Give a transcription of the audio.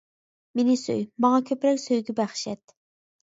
مېنى سۆي، ماڭا كۆپرەك سۆيگۈ بەخش ئەت!